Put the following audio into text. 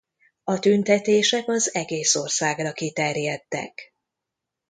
A tüntetések az egész országra kiterjedtek.